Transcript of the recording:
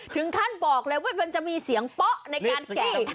ถึงขั้นบอกเลยว่ามันจะมีเสียงเป๊ะในการแกะ